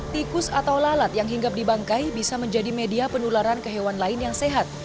tikus atau lalat yang hinggap di bangkai bisa menjadi media penularan ke hewan lain yang sehat